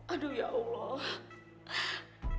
aduh ya allah